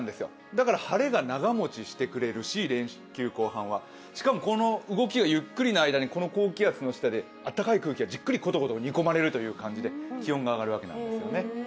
だから連休後半は晴れが長持ちしてくれるししかもこの動きがゆっくりの間に高気圧の下で暖かい空気がじっくりことこと煮込まれる感じで気温が上がるわけなんですね。